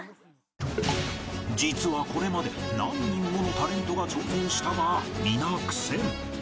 実はこれまで何人ものタレントが挑戦したが皆苦戦